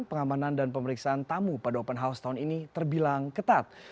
pengamanan dan pemeriksaan tamu pada open house tahun ini terbilang ketat